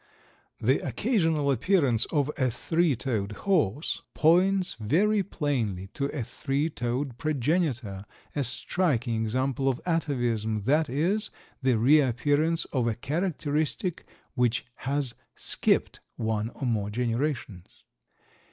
The occasional appearance of a three toed horse points very plainly to a three toed progenitor, a striking example of atavism, that is, the reappearance of a characteristic which has "skipped" one or more generations.